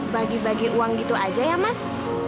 bagi bagi uang gitu aja ya mas